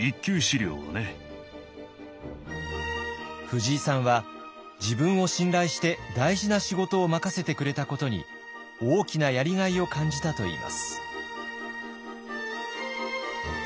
藤井さんは自分を信頼して大事な仕事を任せてくれたことに大きなやりがいを感じたといいます。